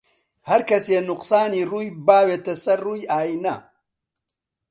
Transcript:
هەر کەسێ نوقسانی ڕووی باوێتە سەر ڕووی ئاینە